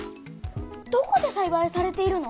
どこでさいばいされているの？